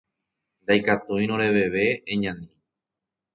Ndaikatúirõ reveve, eñani